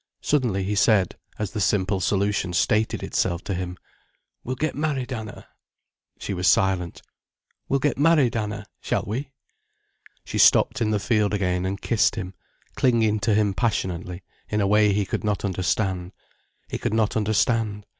Suddenly he said, as the simple solution stated itself to him: "We'll get married, Anna." She was silent. "We'll get married, Anna, shall we?" She stopped in the field again and kissed him, clinging to him passionately, in a way he could not understand. He could not understand.